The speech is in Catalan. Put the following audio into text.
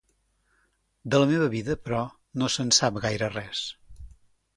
De la meva vida, però, no se'n sap gaire res.